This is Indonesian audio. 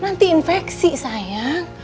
nanti infeksi sayang